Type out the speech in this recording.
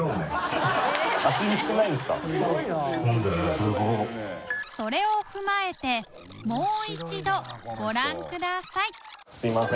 すごい。それを踏まえてもう一度ご覧くださいすみません